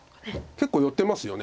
結構寄ってますよね。